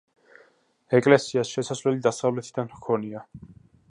ეკლესიას შესასვლელი დასავლეთიდან ჰქონია.